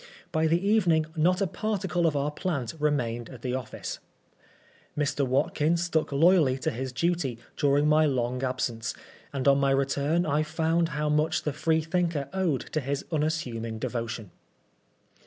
By the evening not a particle of our plant remained at the office. Mr, Watkin stuck loyally to his duty during my long absence, and on my return I found how much the Freethinker owed to his unassuming devotion.